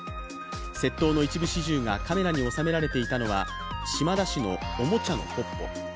窃盗の一部始終がカメラに収められていたのは島田市のおもちゃのポッポ。